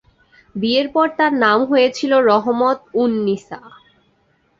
বিয়ের পরে তাঁর নাম হয়েছিল রহমত-উন-নিসা।